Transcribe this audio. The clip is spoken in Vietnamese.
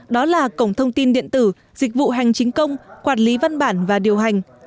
đó là cổng thông tin điện tử dịch vụ hành chính công quản lý văn bản và điều hành